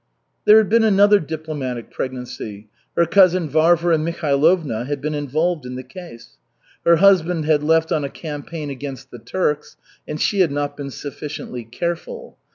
There had been another diplomatic pregnancy. Her cousin Varvara Mikhailovna had been involved in the case. Her husband had left on a campaign against the Turks, and she had not been sufficiently careful.